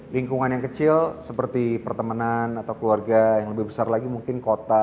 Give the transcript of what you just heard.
lingkungan yang kecil seperti pertemanan atau keluarga yang lebih besar lagi mungkin kota